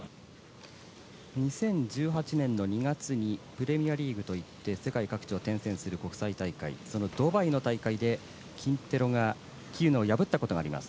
２０１８年２月にプレミアリーグといって世界各地を転々する国際大会そのドバイの大会でキンテロが喜友名を破ったことがあります。